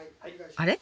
あれ？